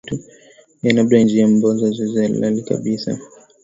ee labda kwa njia ambazo hazikuwa halali kabisa